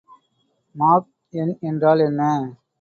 Mach எண் என்றால் என்ன?